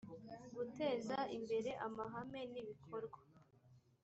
guteza imbere amahame n ibikorwa